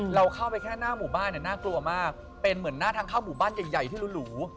เราเข้าไปแค่หน้าหมู่บ้านเนี่ยน่ากลัวมากเป็นเหมือนหน้าทางเข้าหมู่บ้านใหญ่ที่หรู